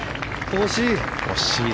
惜しい。